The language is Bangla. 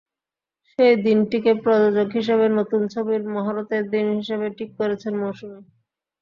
সেই দিনটিকে প্রযোজক হিসেবে নতুন ছবির মহরতের দিন হিসেবে ঠিক করেছেন মৌসুমী।